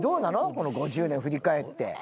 この５０年振り返って。